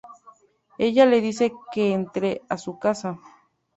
Ella le dice que entre a su casa.